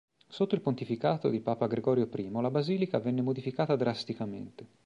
Sotto il pontificato di papa Gregorio I la basilica venne modificata drasticamente.